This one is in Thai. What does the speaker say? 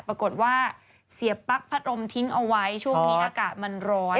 ปรากฏว่าเสียปั๊กพัดลมทิ้งเอาไว้ช่วงนี้อากาศมันร้อน